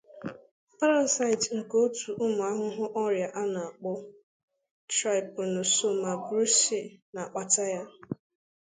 Parasaịtị nke otu ụmụ ahụhụ ọrịa ana-akpọ "Trypanosoma brucei"na-akpata ya.